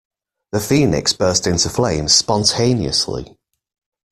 The phoenix burst into flames spontaneously.